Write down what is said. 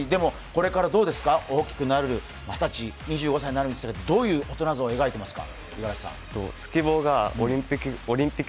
これから大きくなる、二十歳、２５歳になるにつれてどういう大人像を描いていますか？